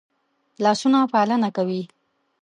لاسونه پالنه کوي